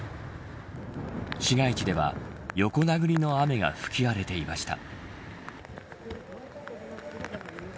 市街地では、横殴りの雨が吹き荒れていました。